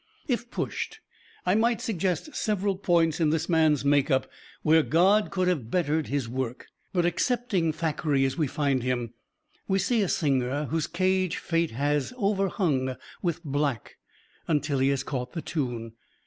If pushed, I might suggest several points in this man's make up where God could have bettered His work. But accepting Thackeray as we find him, we see a singer whose cage Fate had overhung with black until he had caught the tune.